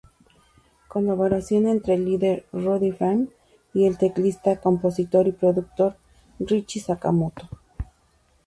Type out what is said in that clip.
Colaboración entre el líder, Roddy Frame, y el teclista, compositor y productor Ryuichi Sakamoto.